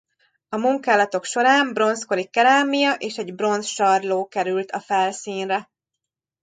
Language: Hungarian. A munkálatok során bronzkori kerámia és egy bronz sarló került a felszínre.